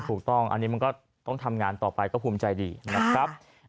ถูกต้องอันนี้มันก็ต้องทำงานต่อไปก็ภูมิใจดีนะครับ